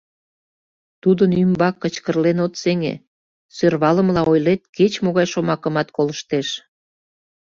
Тудын ӱмбак кычкырлен от сеҥе, сӧрвалымыла ойлет — кеч-могай шомакымат колыштеш.